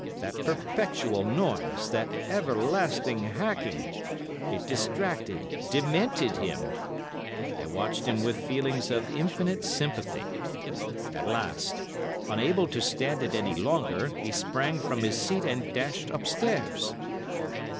That perpetual noise, that everlasting hacking—it distracted, demented him. I watched him with feelings of infinite sympathy. At last, unable to stand it any longer, he sprang from his seat and dashed upstairs.